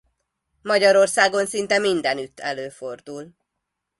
Magyarországon szinte mindenütt előfordul.